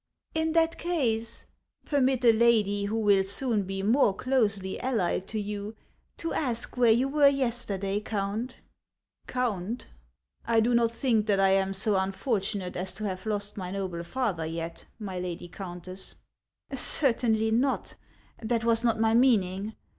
" In that case, permit a lady who will soon be more closely allied to you, to ask where you were yesterday, Count ?"" Count ! I do not think that I am so unfortunate as to have lost my noble father yet, my lady countess." " Certainly not ; that was not my meaning.